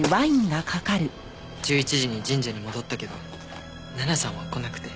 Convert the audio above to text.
１１時に神社に戻ったけど奈々さんは来なくて。